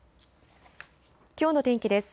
きょうの天気です。